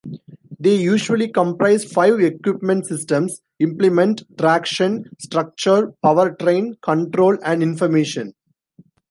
They usually comprise five equipment systems: implement, traction, structure, power train, control and information.